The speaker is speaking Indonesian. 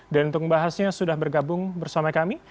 dan untuk membahasnya sudah bergabung bersama kami